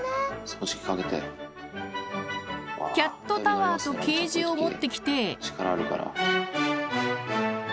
キャットタワーとケージを持ってきて。